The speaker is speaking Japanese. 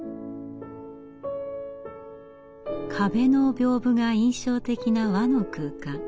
壁の屏風が印象的な和の空間。